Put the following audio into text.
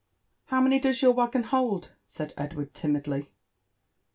" How many does your waggon hold?" said Edward, (imidly.